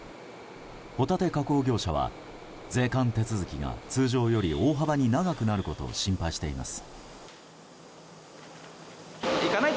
ホタテ加工業者は税関手続きが通常より大幅に長くなることを心配しています。